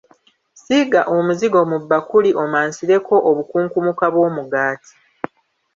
Siiga omuzigo mu bbakuli, omansireko obukunkumuka bw'omugaati.